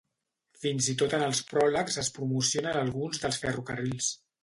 Fins i tot en els pròlegs es promocionen alguns dels ferrocarrils.